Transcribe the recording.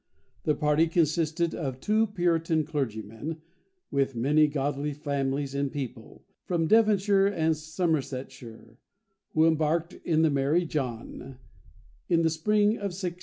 The party consisted of two Puritan clergymen, "with many godly families and people" from Devonshire and Somersetshire, who embarked in the "Mary John," in the spring of 1630.